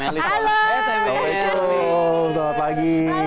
waalaikumsalam selamat pagi